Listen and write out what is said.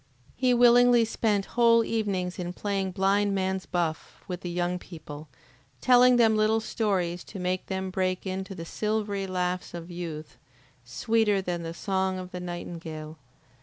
He willingly spent whole evenings in playing blind man's buff with the young people, telling them little stories to make them break into the silvery laughs of youth, sweeter than the song of the nightingale.